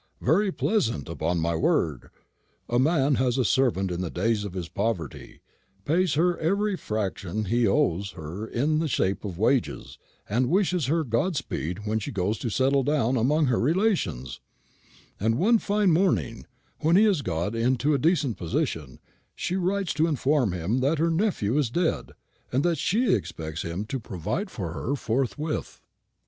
Very pleasant, upon my word! A man has a servant in the days of his poverty, pays her every fraction he owes her in the shape of wages, and wishes her good speed when she goes to settle down among her relations; and one fine morning, when he has got into a decent position, she writes to inform him that her nephew is dead, and that she expects him to provide for her forthwith.